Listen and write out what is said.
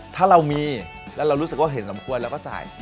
ถ้าเรามีแล้วเรารู้สึกว่าเห็นสมควรเราก็จ่าย